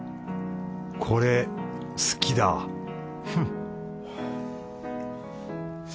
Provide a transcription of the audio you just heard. これ好きだフッ